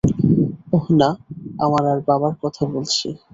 ওহ না, আমার আর বাবার কথা বলছি।